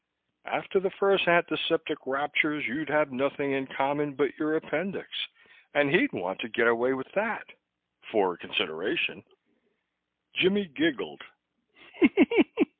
After the first antiseptic raptures you'd have nothing in common but your appendix and he'd want to get away with that for a consideration." Jimmie giggled.